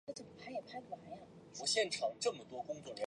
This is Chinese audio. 科潘是玛雅文明古典时期最重要的城邦之一。